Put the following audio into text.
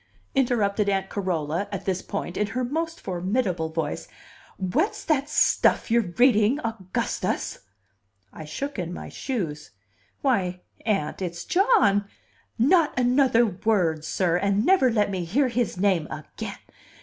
interrupted Aunt Carola, at this point, in her most formidable voice. "What's that stuff you're reading, Augustus?" I shook in my shoes. "Why, Aunt, it's John " "Not another word, sir! And never let me hear his name again.